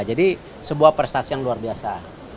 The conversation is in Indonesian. jadi sebuah prestasi yang luar biasa